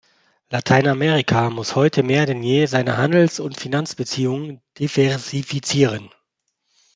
Lateinamerika muss heute mehr denn je seine Handels- und Finanzbeziehungen diversifizieren.